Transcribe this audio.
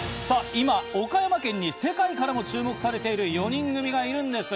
今、岡山県に世界からも注目されている４人組がいるんです。